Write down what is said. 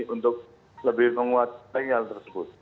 untuk lebih menguat sinyal tersebut